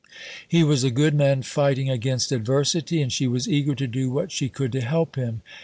He was a good man fighting against adversity, and she was eager to do what she could to help him.